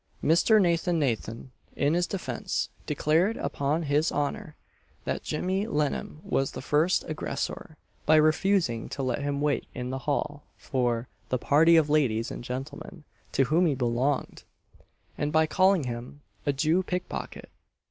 Mr. Nathan Nathan, in his defence, declared upon his honour, that Jemmy Lennam was the first aggressor by refusing to let him wait in the hall for "the party of ladies and gentlemen to whom he belonged!" and by calling him "a Jew pickpocket!"